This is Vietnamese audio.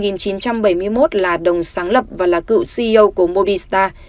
ông ngô nguyên kha năm một nghìn chín trăm bảy mươi một là đồng sáng lập và là cựu ceo của mobistar